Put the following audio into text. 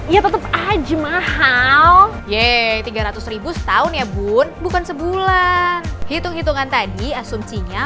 ya tetep aja mahal ye tiga ratus setahun ya bun bukan sebulan hitung hitungan tadi asumsinya